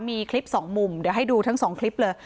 มีคลิปสองมุมเดี๋ยวให้ดูทั้ง๒คลิปเลย